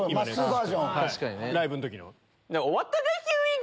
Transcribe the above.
ライブの時の。